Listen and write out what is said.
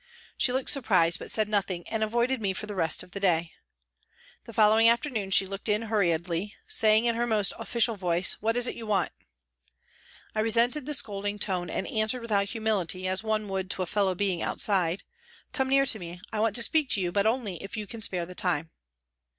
She looked sur prised, but said nothing and avoided me for the rest of the day. The following afternoon she looked in hurriedly, saying in her most official voice :" What is it you want ?" I resented the scolding tone and answered without humility, as one would to a fellow being outside, " Come near to me, I want to speak to you, but only if you can spare the time."